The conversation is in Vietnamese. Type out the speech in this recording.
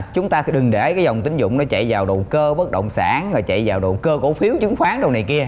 chúng ta đừng để cái dòng tín dụng nó chạy vào đồ cơ bất động sản và chạy vào đồ cơ cổ phiếu chứng khoán đồ này kia